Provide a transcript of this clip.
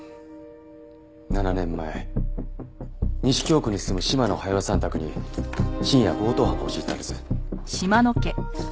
７年前西京区に住む嶋野駿夫さん宅に深夜強盗犯が押し入ったんです。